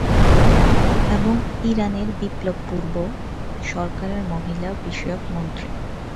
এবং ইরানের বিপ্লব-পূর্ব সরকারের মহিলা বিষয়ক মন্ত্রী।